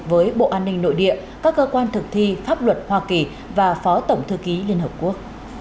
với bộ an ninh nội địa các cơ quan thực thi pháp luật hoa kỳ và phó tổng thư ký liên hợp quốc